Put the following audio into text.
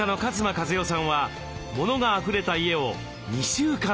和代さんはモノがあふれた家を。